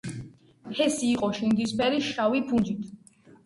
ფესი იყო შინდისფერი, შავი ფუნჯით.